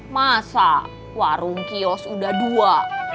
masa warung kios sudah dua